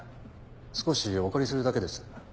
少しお借りするだけです。